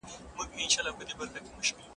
بانکونه څنګه کولای سي له سوداګرو سره مرسته وکړي؟